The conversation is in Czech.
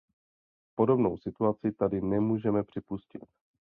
Podobnou situaci tady nemůžeme připustit.